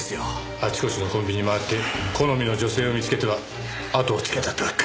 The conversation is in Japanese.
あちこちのコンビニ回って好みの女性を見つけてはあとをつけたってわけか。